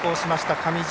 上地。